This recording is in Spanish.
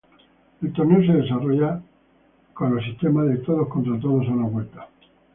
El torneo se desarrollaba con el sistema de todos-contra-todos a una vuelta.